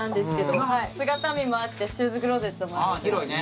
姿見もあってシューズクローゼットもあって。